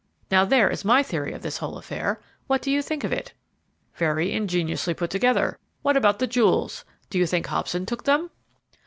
Now there is my theory of this whole affair; what do you think of it?" "Very ingeniously put together! What about the jewels? Do you think Hobson took them?"